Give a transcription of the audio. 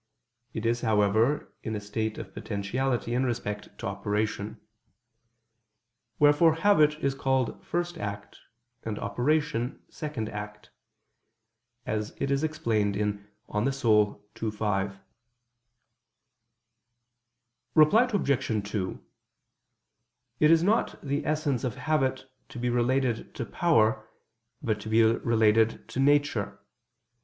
It is, however, in a state of potentiality in respect to operation. Wherefore habit is called first act, and operation, second act; as it is explained in De Anima ii, text. 5. Reply Obj. 2: It is not the essence of habit to be related to power, but to be related to nature.